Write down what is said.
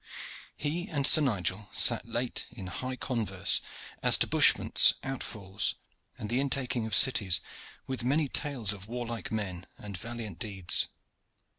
He and Sir Nigel sat late in high converse as to bushments, outfalls, and the intaking of cities, with many tales of warlike men and valiant deeds.